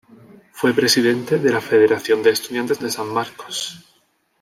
Fue Presidente de la Federación de Estudiantes de San Marcos.